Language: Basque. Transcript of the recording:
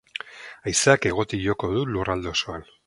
Haizeak hegotik joko du lurralde osoan.